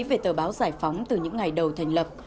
về tờ báo giải phóng từ những ngày đầu thành lập